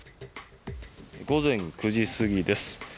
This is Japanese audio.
午前９時過ぎです。